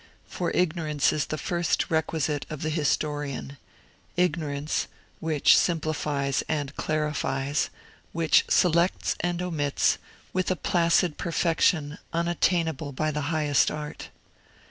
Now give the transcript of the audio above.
For ignorance is the first requisite of the historian ignorance, which simplifies and clarifies, which selects and omits, with a placid perfection unattainable by the highest art.